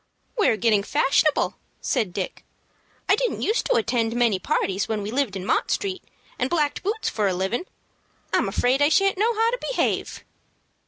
_" "We're getting fashionable," said Dick. "I didn't use to attend many parties when we lived in Mott Street and blacked boots for a livin'. I'm afraid I shan't know how to behave."